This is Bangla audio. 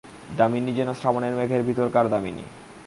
দামিনী যেন শ্রাবণের মেঘের ভিতরকার দামিনী।